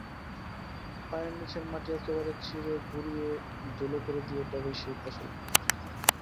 পায়ের নীচের মাটি একেবারে চিরে গুড়িয়ে ধুলো করে দিয়ে তবে সেই ফসল ফলে।